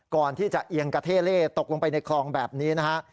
ก่อนที่จะเอียงกระเท่เล่ตกลงไปในคลองแบบนี้นะฮะ